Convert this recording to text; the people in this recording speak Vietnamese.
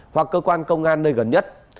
hoặc cơ quan công an nơi gần nhất